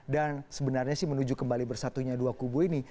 dan sebenarnya sih menuju kembali bersatunya dua kubu ini